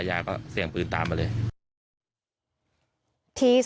พวกมันต้องกินกันพี่